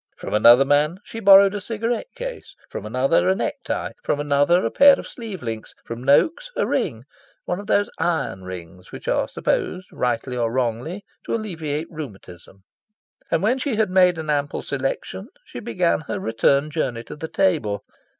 From another man she borrowed a cigarette case, from another a neck tie, from another a pair of sleeve links, from Noaks a ring one of those iron rings which are supposed, rightly or wrongly, to alleviate rheumatism. And when she had made an ample selection, she began her return journey to the table.